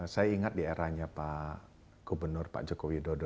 saya ingat di eranya pak gubernur pak joko widodo